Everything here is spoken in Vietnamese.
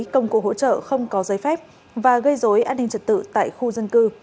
công cụ hỗ trợ không có giấy phép và gây dối an ninh trật tự tại khu dân cư